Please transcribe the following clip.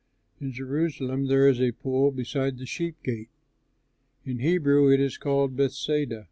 In Jerusalem there is a pool beside the sheep gate. In Hebrew it is called, Bethesda.